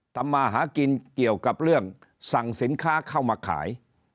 ทำมาหากินเกี่ยวกับเรื่องสั่งสินค้าเข้ามาขาย